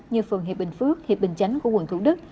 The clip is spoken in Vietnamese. như phường hiệp bình phước hiệp bình chánh của quận thủ đức